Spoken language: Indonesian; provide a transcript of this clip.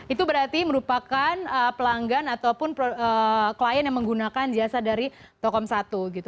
itu berarti merupakan pelanggan ataupun klien yang menggunakan jasa dari telkom satu gitu